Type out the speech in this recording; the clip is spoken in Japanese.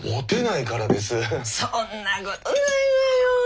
そんなことないわよ。